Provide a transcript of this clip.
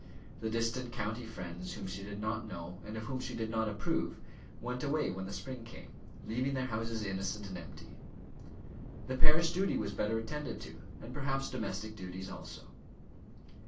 The distant county friends whom she did not know and of whom she did not approve went away when the spring came, leaving their houses innocent and empty. The parish duty was better attended to, and perhaps domestic duties also.